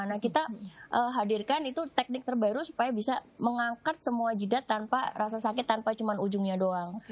nah kita hadirkan itu teknik terbaru supaya bisa mengangkat semua jeda tanpa rasa sakit tanpa cuma ujungnya doang